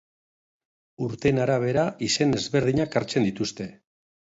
Urteen arabera, izen ezberdinak hartzen dituzte.